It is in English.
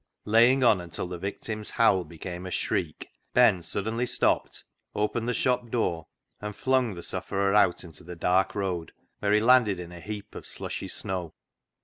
Laying on until the victim's howl became a shriek, Ben suddenly stopped, opened the shop door, and flung the sufferer out into the dark road, where he landed in a heap of slushy snow.